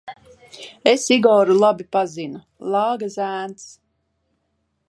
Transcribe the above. Es Igoru labi pazinu, lāga zēns.